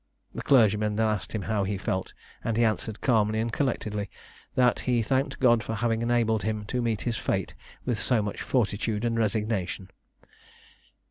The clergyman then asked him how he felt; and he answered calmly and collectedly, that "he thanked God for having enabled him to meet his fate with so much fortitude and resignation."